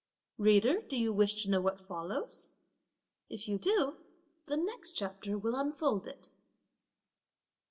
Reader, do you wish to know what follows? if you do, the next chapter will unfold it.